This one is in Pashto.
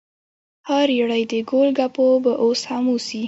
ها ریړۍ د ګول ګپو به اوس هم اوسي؟